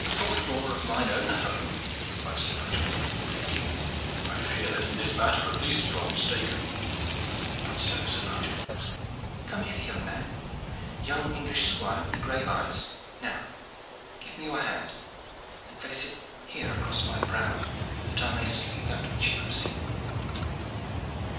"Thought more of mine own home?" cried Sir Nigel. "Lady, I fear that in this matter at least you are mistaken." "Not so, Sir Nigel. Come hither, young man, young English squire with the gray eyes! Now give me your hand, and place it here across my brow, that I may see that which you have seen.